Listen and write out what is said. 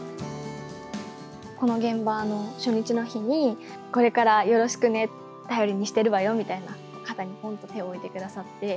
この現場の初日の日に、これからよろしくね、頼りにしてるわよみたいな、肩にぽんと手を置いてくださって。